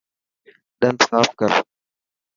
ڏنت صاف ڪر.